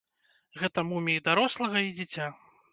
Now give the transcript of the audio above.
Гэта муміі дарослага і дзіця.